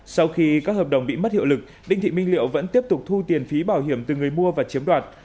sau khi các hợp đồng bị mất hiệu lực đinh thị minh liệu vẫn tiếp tục thu tiền phí bảo hiểm từ người mua và chiếm đoạt